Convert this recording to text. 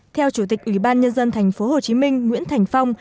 theo chủ tịch ủy ban nhân dân tp hcm nguyễn thành phong